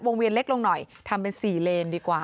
เวียนเล็กลงหน่อยทำเป็น๔เลนดีกว่า